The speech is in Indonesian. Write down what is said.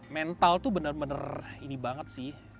mental itu benar benar ini banget sih